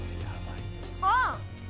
あっ！